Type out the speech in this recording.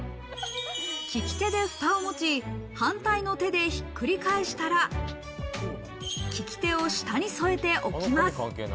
利き手でフタを持ち、反対の手でひっくり返したら、利き手を下に添えて置きます。